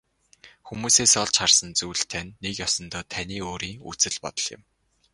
Хүмүүсээс олж харсан зүйл тань нэг ёсондоо таны өөрийн үзэл бодол юм.